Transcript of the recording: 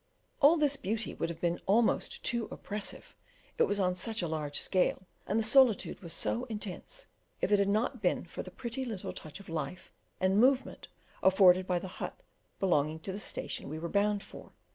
All this beauty would have been almost too oppressive, it was on such a large scale and the solitude was so intense, if it had not been for the pretty little touch of life and movement afforded by the hut belonging to the station we were bound for.